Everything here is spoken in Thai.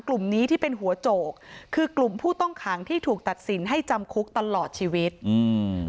กลุ่มนี้ที่เป็นหัวโจกคือกลุ่มผู้ต้องขังที่ถูกตัดสินให้จำคุกตลอดชีวิตอืม